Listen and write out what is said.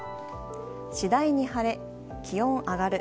次第に晴れ、気温上がる。